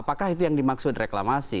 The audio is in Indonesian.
apakah itu yang dimaksud reklamasi